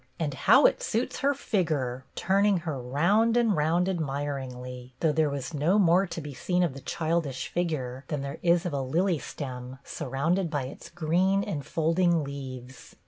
And how it suits her fig ger!" turning her round and round ad miringly; though there was no more to be seen of the childish figure than there is of a AT LAST THE DAY! 47 lily stem, surrounded by its green enfolding leaves.